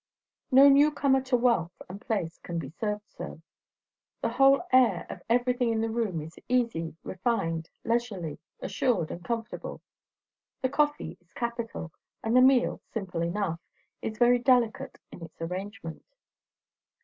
No new comer to wealth and place can be served so. The whole air of everything in the room is easy, refined, leisurely, assured, and comfortable. The coffee is capital; and the meal, simple enough, is very delicate in its arrangement.